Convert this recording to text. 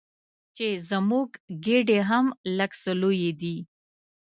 چې زموږ ګېډې هم لږ څه لویې دي.